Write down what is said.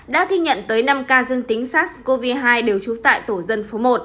đã thi nhận tới năm ca dân tính sars cov hai đều trú tại tổ dân phố một